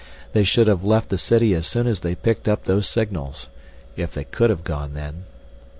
They should have left the city as soon as they picked up those signals if they could have gone then.